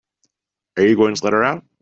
Are you going to let her out?